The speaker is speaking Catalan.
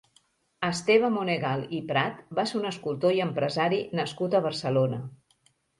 Esteve Monegal i Prat va ser un escultor i empresari nascut a Barcelona.